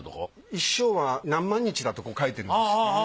一生は何万日だとこう書いてるんです。